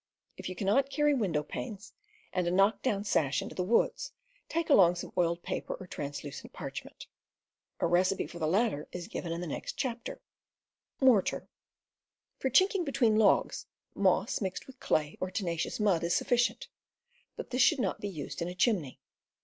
If you cannot carry window panes and a knock down sash into the woods, take along some oiled paper or translucent parchment. A recipe for the latter is given in the next chapter. For chinking between logs, moss mixed with clay or tenacious mud is suflScient, but this should not be used __ in a chimney.